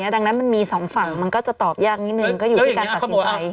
ดังนั้นมันมีสองฝั่งมันก็จะตอบยากนิดนึงก็อยู่ที่การตัดสินใจ